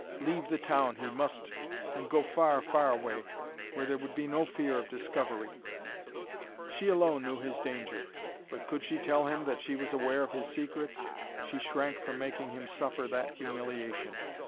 Leave the town he must, and go far, far away, where there would be no fear of discovery. She alone knew his danger. But could she tell him that she was aware of his secret? She shrank from making him suffer that humiliation.